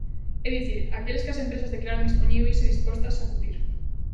É dicir, aqueles que as empresas declaran dispoñíbeis e dispostas a cubrir.